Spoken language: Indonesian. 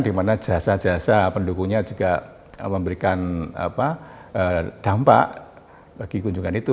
dimana jasa jasa pendukungnya juga memberikan dampak bagi kunjungan itu